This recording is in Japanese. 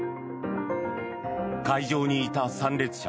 会場にいた参列者